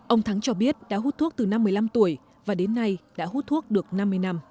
ông thắng cho biết đã hút thuốc từ năm mươi năm tuổi và đến nay đã hút thuốc được năm mươi năm